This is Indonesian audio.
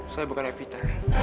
saya bukan evita